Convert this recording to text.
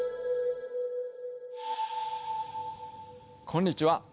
こんにちは。